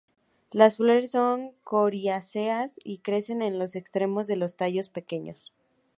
Las flores son coriáceas y crecen en los extremos de los tallos pequeños.